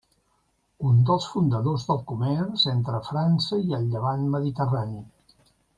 Un dels fundadors del comerç entre França i el Llevant mediterrani.